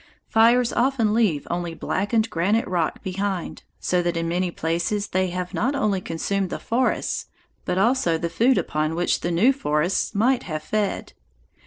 Fires often leave only blackened granite rock behind, so that in many places they have not only consumed the forests, but also the food upon which the new forests might have fed.